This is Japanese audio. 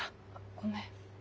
ごめん。